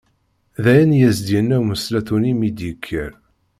Dayen, i as-yenna umeslatu-nni mi yekker.